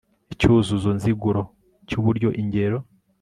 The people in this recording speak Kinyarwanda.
icyuzuzo nziguro cy'uburyo ingero